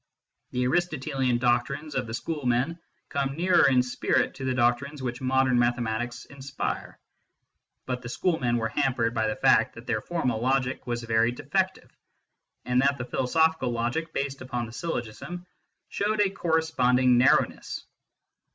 The Aristotelian doctrines of the schoolmen come nearer in spirit to the doctrines which modern mathematics inspire ; but the schoolmen were hampered by the fact that their formal logic was very defective, and that the philosophical logic based upon the syllogism showed a corresponding narrowness.